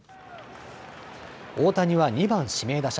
大谷は２番・指名打者。